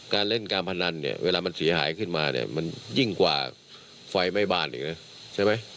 การเล่นการพนันเวลามันสีหายขึ้นมาเนี่ยมันยิ่งกว่าไฟไม่บ้านใช่ไหม